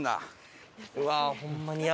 うわーホンマに山。